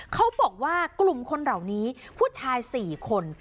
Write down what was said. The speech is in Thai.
เขาบอกว่ากลุ่มคนเหล่านี้ผู้ชาย๔คน